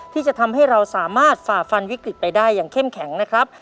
ที่จะทำให้เราสามารถฝ่าฟันวิกฤตไปได้อย่างเข้มแข็งนะครับ